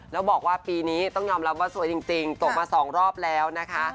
แล้วบอกว่าปีนี้ต้องยอมรับว่าสวยจริงตกมา๒รอบแล้วนะคะ